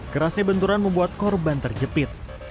kerasnya benturan membuat korban terjepit